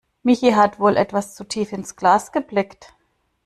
Michi hat wohl etwas zu tief ins Glas geblickt.